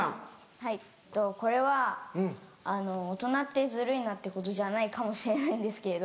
はいえっとこれは大人ってズルいなってことじゃないかもしれないんですけど。